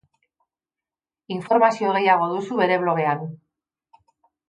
Informazio gehiago duzu bere blogean.